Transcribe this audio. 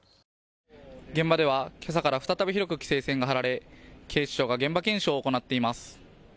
現場ではけさから再び広く規制線が張られ警視庁が現場検証を行っています。